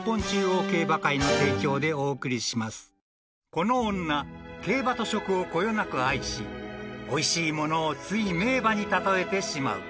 ［この女競馬と食をこよなく愛しおいしいものをつい名馬に例えてしまう］